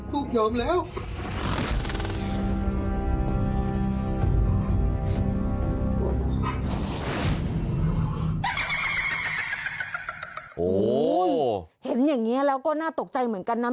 โอ้โหเห็นอย่างนี้แล้วก็น่าตกใจเหมือนกันนะ